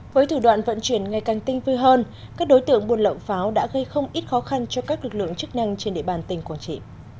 với thủ đoạn vận chuyển ngày càng tinh vui hơn các đối tượng buôn lậu pháo đã gây không ít khó khăn cho các lực lượng chức năng trên địa bàn tỉnh quảng trị